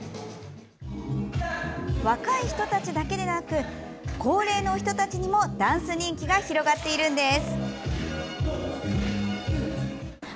若い人たちだけでなく高齢の人たちにもダンス人気が広がっているんです。